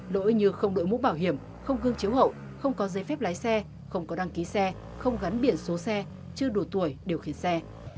lỗi như không đội mũ bảo hiểm không gương chiếu hậu không có giấy phép lái xe không có đăng ký xe không gắn biển số xe chưa đủ tuổi điều khiển xe